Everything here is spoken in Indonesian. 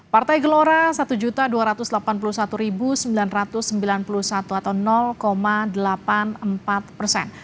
partai gelora satu dua ratus delapan puluh satu sembilan ratus sembilan puluh satu atau delapan puluh empat persen